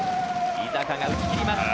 井坂が打ち切ります。